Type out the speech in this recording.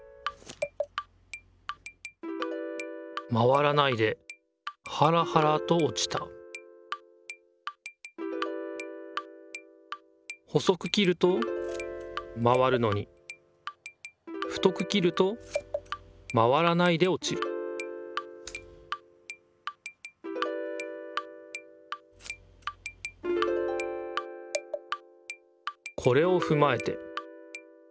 まわらないでハラハラとおちた細く切るとまわるのに太く切るとまわらないでおちるこれをふまえて。